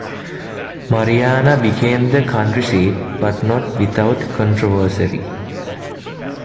Marianna became the county seat, but not without controversy.